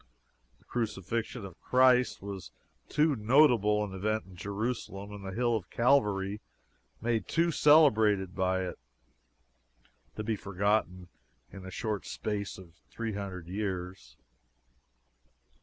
The crucifixion of Christ was too notable an event in Jerusalem, and the Hill of Calvary made too celebrated by it, to be forgotten in the short space of three hundred years.